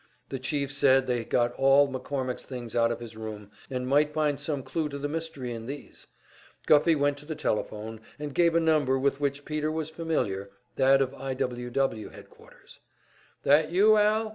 The Chief said they had got all McCormick's things out of his room, and might find some clue to the mystery in these. Guffey went to the telephone, and gave a number with which Peter was familiar that of I. W. W. headquarters. "That you, Al?"